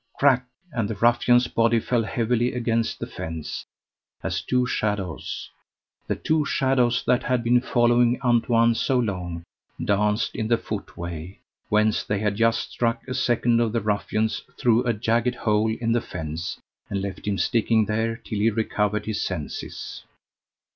crack! and the ruffian's body fell heavily against the fence, as two shadows the two shadows that had been following Antoine so long danced in the footway, whence they had just struck a second of the ruffians through a jagged hole in the fence, and left him sticking there till he recovered his senses.